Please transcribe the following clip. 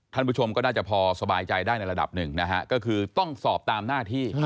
ท่านผู้ชมก็น่าจะพอสบายใจได้ในระดับหนึ่งนะฮะก็คือต้องสอบตามหน้าที่